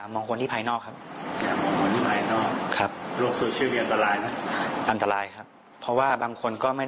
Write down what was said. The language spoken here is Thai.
เออนี่แหละ